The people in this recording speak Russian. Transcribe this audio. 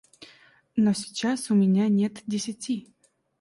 Но сейчас у меня нет десяти.